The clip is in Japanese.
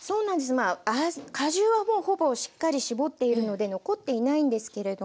まあ果汁はもうほぼしっかり搾っているので残っていないんですけれども。